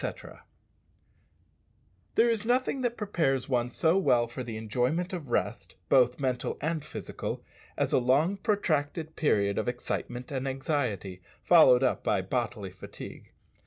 _ There is nothing that prepares one so well for the enjoyment of rest, both mental and physical, as a long protracted period of excitement and anxiety, followed up by bodily fatigue.